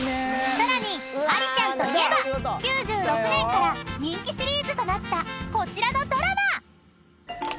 ［さらにありちゃんといえば９６年から人気シリーズとなったこちらのドラマ］